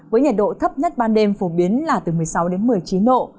với nhiệt độ thấp nhất ban đêm phổ biến là từ một mươi sáu đến một mươi chín độ